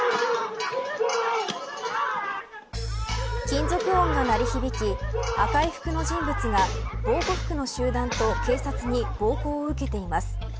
金属音が鳴り響き赤い服の人物が防護服の集団と警察に暴行を受けています。